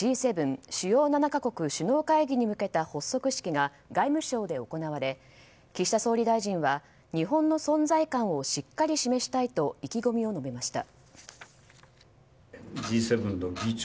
・主要７か国首脳会議に向けた発足式が外務省で行われ岸田総理大臣は、日本の存在感をしっかり示したいと意気込みを述べました。